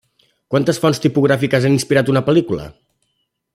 Quantes fonts tipogràfiques han inspirat una pel·lícula?